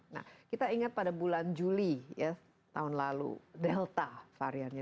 nah kita ingat pada bulan juli ya tahun lalu delta variannya